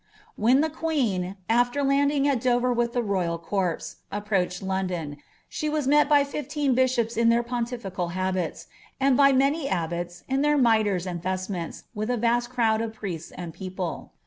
* When the queen, aAer landing at Dover with the royal corpse, ap nra«chrd London, she was met by tiAeen bishops in their poniilicBl ksbits. anil by many abbots in their mitres and vestments, with a vast erowd iif priests and people.